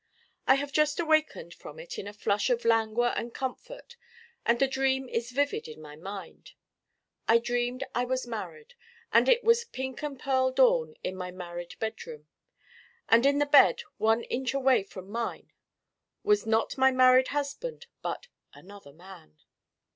I have just awakened from it in a flush of languor and comfort. And the dream is vivid in my mind. I dreamed I was married and it was pink and pearl dawn in my married bed room. And in the bed one inch away from mine was not my married husband but 'another man.